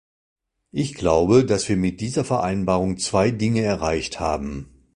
Ich glaube, dass wir mit dieser Vereinbarung zwei Dinge erreicht haben.